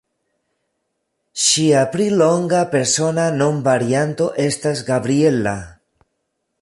Ŝia pli longa persona nomvarianto estas Gabriella.